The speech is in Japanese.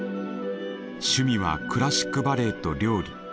趣味はクラシックバレエと料理。